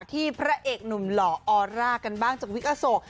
พระเอกหนุ่มหล่อออร่ากันบ้างจากวิกอโศก